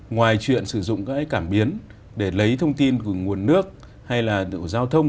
ngoài chuyện sử dụng các cảm biến để lấy thông tin của nguồn nước hay là giao thông